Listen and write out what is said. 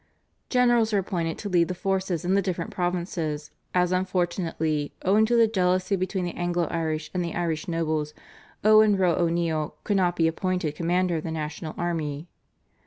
Generals were appointed to lead the forces in the different provinces, as unfortunately owing to the jealousy between the Anglo Irish and the Irish nobles Owen Roe O'Neill could not be appointed commander of the national army.